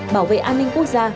bảo vệ an ninh quốc gia